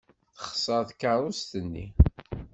Texṣer tkeṛṛust-nni.